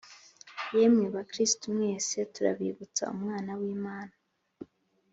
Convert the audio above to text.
yemwe bakristo mwese, turabibutsa umwana w'imana